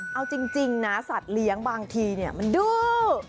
เอาจริงนะสัตว์เลี้ยงบางทีมันดื้อ